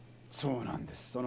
そうなんです。